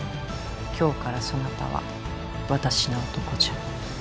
今日からそなたは私の男じゃ。